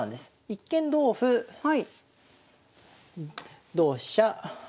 一見同歩同飛車